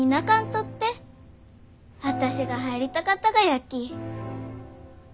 あたしが入りたかったがやき。